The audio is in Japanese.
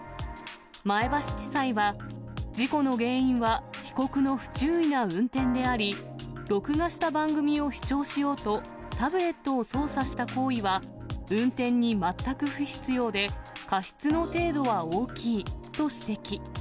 前橋地裁は、事故の原因は被告の不注意な運転であり、録画した番組を視聴しようと、タブレットを操作した行為は運転に全く不必要で、過失の程度は大きいと指摘。